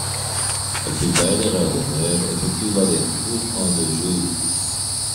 La plupart des randonneurs effectuent l'aller-retour en deux jours.